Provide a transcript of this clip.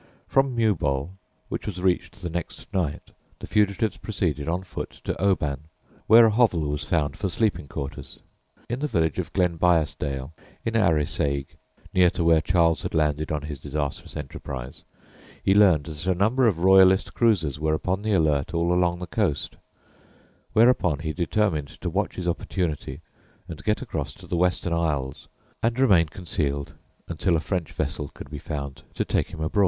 From Mewboll, which was reached the next night, the fugitives proceeded on foot to Oban, where a hovel was found for sleeping quarters. In the village of Glenbiasdale, in Arisaig, near to where Charles had landed on his disastrous enterprise, he learned that a number of Royalist cruisers were upon the alert all along the coast, whereupon he determined to watch his opportunity and get across to the Western Isles, and remain concealed until a French vessel could be found to take him abroad.